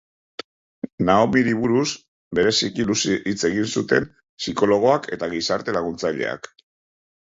Naomiri buruz bereziki luze hitz egin zuten psikologoak eta gizarte laguntzaileak.